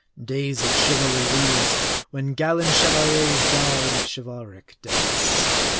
Days of chivalry these, when gallant chevaliers died chivalric deaths